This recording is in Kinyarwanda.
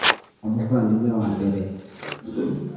umuvandimwe wa mbere